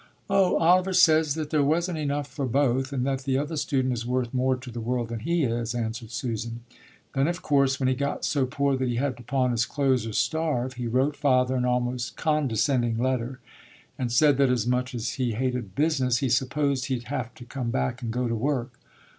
"Oh, Oliver says that there wasn't enough for both and that the other student is worth more to the world than he is," answered Susan. "Then, of course, when he got so poor that he had to pawn his clothes or starve, he wrote father an almost condescending letter and said that as much as he hated business, he supposed he'd have to come back and go to work.